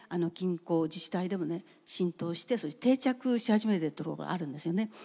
近郊自治体でもね浸透して定着し始めてるところがあるんですよね。